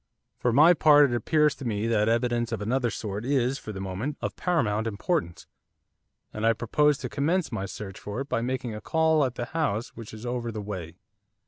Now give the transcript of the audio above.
For my part it appears to me that evidence of another sort is, for the moment, of paramount importance; and I propose to commence my search for it by making a call at the house which is over the way.